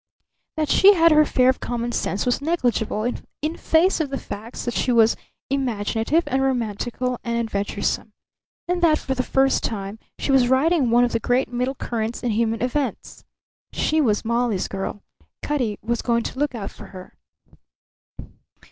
That she had her share of common sense was negligible in face of the facts that she was imaginative and romantical and adventuresome, and that for the first time she was riding one of the great middle currents in human events. She was Molly's girl; Cutty was going to look out for her.